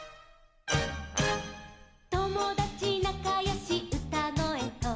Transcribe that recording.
「ともだちなかよしうたごえと」